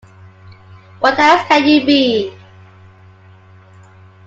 What else can you be?